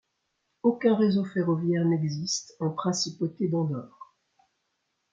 Aucun réseau ferroviaire n'existe en Principauté d'Andorre.